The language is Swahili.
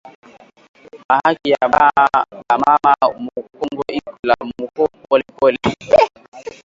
Ma haki ya ba mama mu kongo iko na lamuka pole pole